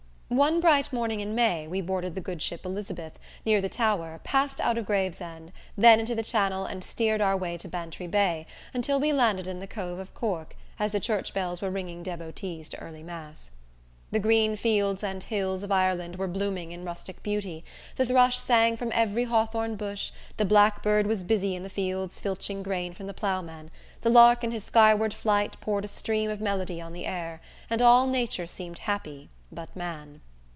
One bright morning in May, we boarded the good ship Elizabeth, near the Tower, passed out of Gravesend, then into the channel and steered our way to Bantry Bay, until we landed in the cove of Cork, as the church bells were ringing devotees to early mass. The green fields and hills of Ireland were blooming in rustic beauty, the thrush sang from every hawthorn bush, the blackbird was busy in the fields filching grain from the ploughman, the lark, in his skyward flight poured a stream of melody on the air, and all Nature seemed happy, but man.